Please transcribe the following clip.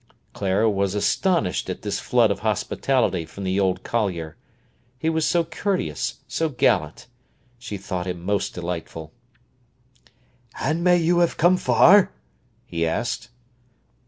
Clara was astonished at this flood of hospitality from the old collier. He was so courteous, so gallant! She thought him most delightful. "And may you have come far?" he asked.